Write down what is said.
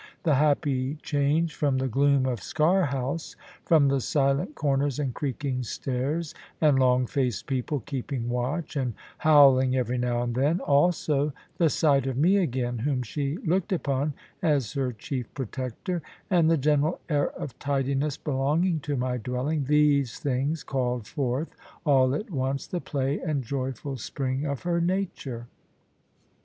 The happy change from the gloom of Sker House, from the silent corners and creaking stairs, and long faced people keeping watch, and howling every now and then also the sight of me again (whom she looked upon as her chief protector), and the general air of tidiness belonging to my dwelling these things called forth all at once the play and joyful spring of her nature.